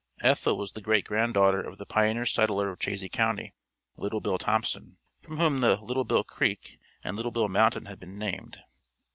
Ethel was the great granddaughter of the pioneer settler of Chazy County Little Bill Thompson from whom the Little Bill Creek and Little Bill Mountain had been named.